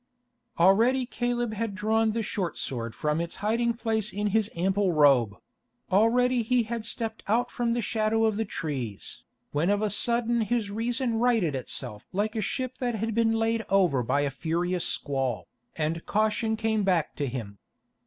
Already Caleb had drawn the short sword from its hiding place in his ample robe; already he had stepped out from the shadow of the trees, when of a sudden his reason righted itself like a ship that has been laid over by a furious squall, and caution came back to him.